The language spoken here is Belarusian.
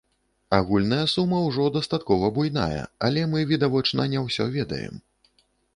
Агульная сума ўжо дастаткова буйная, але мы, відавочна, не ўсё ведаем.